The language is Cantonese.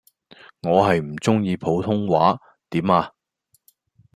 我係唔鐘意普通話，點呀